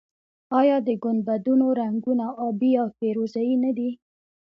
آیا د ګنبدونو رنګونه ابي او فیروزه یي نه دي؟